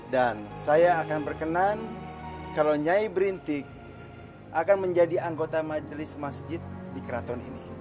dan saya akan berkenan kalau nyai berintik akan menjadi anggota majelis masjid di keraton ini